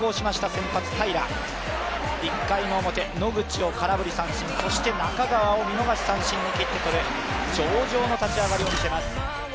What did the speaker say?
先発・平良、１回表、野口を空振り三振、そして中川を見逃し三振に切って取る上々の立ち上がりを見せます。